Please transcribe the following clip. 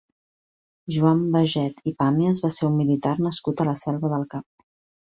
Joan Baget i Pàmies va ser un militar nascut a la Selva del Camp.